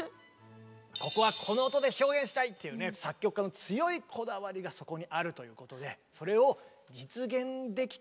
ここはこの音で表現したい！というね作曲家の強いこだわりがそこにあるということでそれを実現できている。